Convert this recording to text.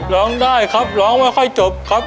ร้องได้ครับร้องไม่ค่อยจบครับ